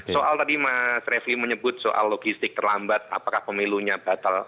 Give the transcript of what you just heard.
soal tadi mas refli menyebut soal logistik terlambat apakah pemilunya batal